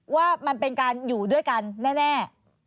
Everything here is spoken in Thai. ว่ามันเป็นการอยู่ด้วยกันแน่